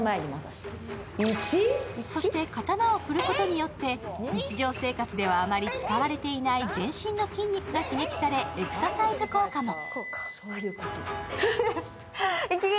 そして刀を振るうことによって日常生活ではあまり使われていない全身の筋肉が刺激されエクササイズ効果も。